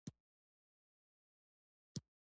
د غريبانه هوټل په پوښتنه ستړی شوم.